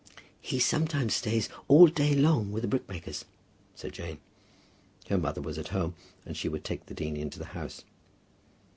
"He sometimes stays all day long with the brickmakers," said Jane. Her mother was at home, and she would take the dean into the house.